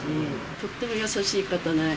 とっても優しい方ね。